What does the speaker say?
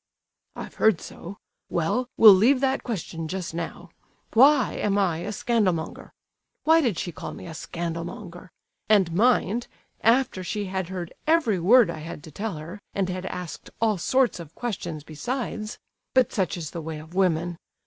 "I've heard so. Well, we'll leave that question just now. Why am I a scandal monger? Why did she call me a scandal monger? And mind, after she had heard every word I had to tell her, and had asked all sorts of questions besides—but such is the way of women.